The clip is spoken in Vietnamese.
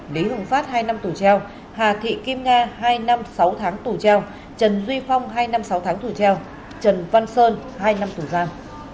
lý hồng phát hai năm tù treo hà thị kim nga hai năm sáu tháng tù treo trần duy phong hai năm sáu tháng tù treo trần văn sơn hai năm tù giam